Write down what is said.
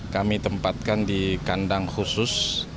kami tempatkan di kandang khusus